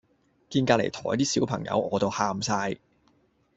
見隔離枱啲小朋友餓到喊哂